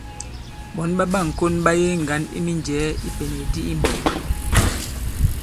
Ɓɔ̌n ɓa ɓâŋkon ɓa yege ŋgǎn i minjɛ̀ɛ i ipènèk di i mbɔ̄k.